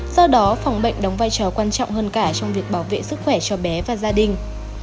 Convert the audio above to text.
do đó phòng bệnh đóng vai trò quan trọng hơn cả trong việc bảo vệ sức khỏe cho bé và gia đình